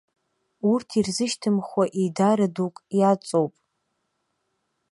Урҭ ирзышьҭымхуа еидара дук иаҵоуп.